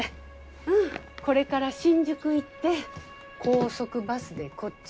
うんこれから新宿行って高速バスでこっちに戻るって。